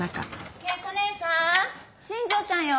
恵子姉さん新庄ちゃんよ。